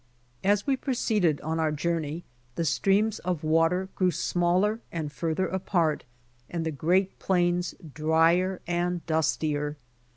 As we proceeded on our journey the streams of water grew smaller and farther apart and the great plains drier and dustier.